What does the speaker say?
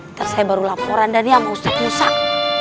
ntar saya baru laporan dari yang musak musak